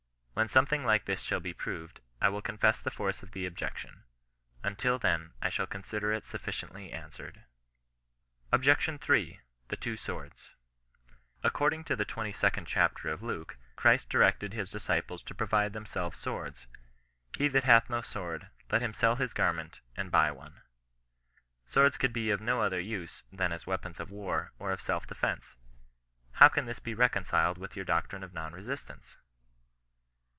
When something like this shall be proved, I will coi]tfess the force of the objection. Until then I shall consider it sufficiently answered. OBJECTION III. — THE TWO SWORDS. According to the 22d chapter of Luke, Christ directed his disciples to provide themselves swords. " He that hath no sword, let him sell his garment, and buy one." Swords could be of no other use, than as weapons of war, or of self defence. How can this be reconciled with your doctrine of non resistance